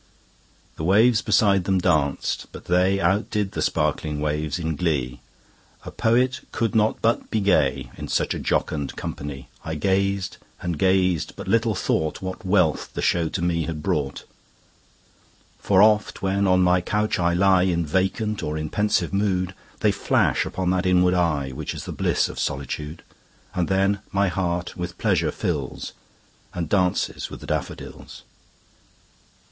The waves beside them danced; but they Out did the sparkling waves in glee: A poet could not but be gay, In such a jocund company: I gazed–and gazed–but little thought What wealth the show to me had brought: For oft, when on my couch I lie In vacant or in pensive mood, 20 They flash upon that inward eye Which is the bliss of solitude; And then my heart with pleasure fills, And dances with the daffodils.